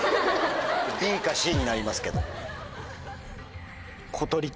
ＢかＣになりますけど。